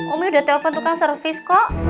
umi udah telpon tukang servis kok